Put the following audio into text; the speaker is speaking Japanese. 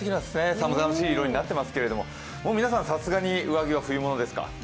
寒々しい色になっていますけれども、皆さん、さすがに上着は冬物ですか？